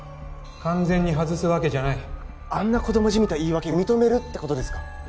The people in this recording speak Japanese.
完全に外すわけじゃないあんな子供じみた言い訳認めるってことですか？